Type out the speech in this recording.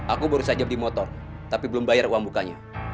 aku baru saja beli motor tapi belum bayar uang bukanya